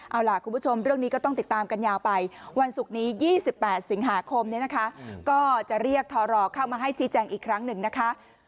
เอาล่ะคุณผู้ชมเรื่องนี้ก็ต้องติดตามกันยาวไปวันศุกร์นี้๒๘สิงหาคมเนี่ยนะคะก็จะเรียกทรเข้ามาให้ชี้แจงอีกครั้งหนึ่งนะคะ